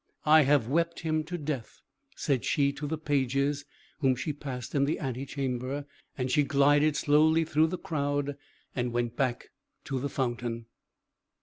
"I have wept him to death!" said she to the pages, whom she passed in the ante chamber; and she glided slowly through the crowd, and went back to the fountain.